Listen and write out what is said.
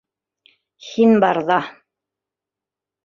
Һин барҙа!